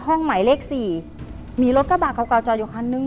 ห้องหมายเลข๔มีรถกระบะเก่าจอดอยู่คันหนึ่ง